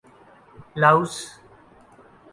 Laos